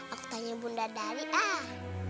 aku tanya bunda dari ah